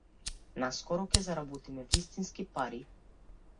Наскоро ќе заработиме вистински пари.